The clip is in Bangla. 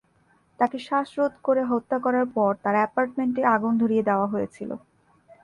তাকে শ্বাসরোধ করে হত্যা করার পর তার অ্যাপার্টমেন্টে আগুন ধরিয়ে দেওয়া হয়েছিল।